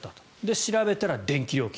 調べたら電気料金。